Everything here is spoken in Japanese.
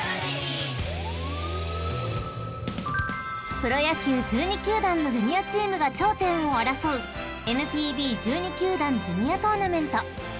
［プロ野球１２球団のジュニアチームが頂点を争うＮＰＢ１２球団ジュニアトーナメント］